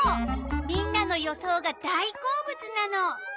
みんなの予想が大好物なの。